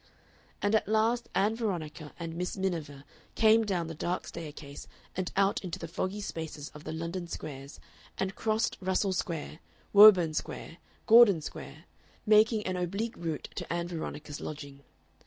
And at last Ann Veronica and Miss Miniver came down the dark staircase and out into the foggy spaces of the London squares, and crossed Russell Square, Woburn Square, Gordon Square, making an oblique route to Ann Veronica's lodging.